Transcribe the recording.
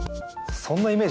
そんなイメージ